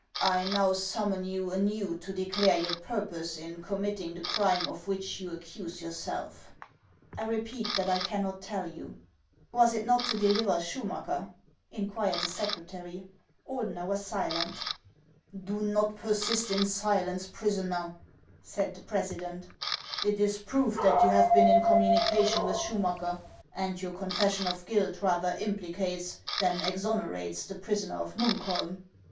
I now summon you anew to declare your purpose in committing the crime of which you accuse yourself." " I repeat that I cannot tell you." " Was it not to deliver Schumacker ?" inquired the secretary. Ordener was silent. " Do not persist in silence, prisoner," said the president ;" it is proved that you have been in communication with Schumacker, and your confession of guilt rather impli cates than exonerates the prisoner of Munkholm.